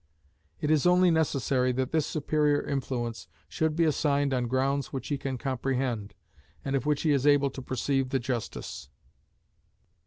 It is only necessary that this superior influence should be assigned on grounds which he can comprehend, and of which he is able to perceive the justice.